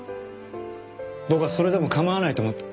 僕はそれでも構わないと思った。